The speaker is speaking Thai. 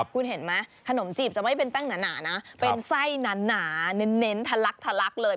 คุณเห็นไหมขนมจีบจะไม่เป็นแป้งหนานะเป็นไส้หนาเน้นทะลักทะลักเลย